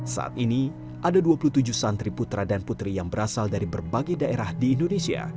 saat ini ada dua puluh tujuh santri putra dan putri yang berasal dari berbagai daerah di indonesia